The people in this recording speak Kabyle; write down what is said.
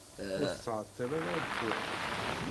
Ur tettɛeṭṭil ara ad d-tuɣal.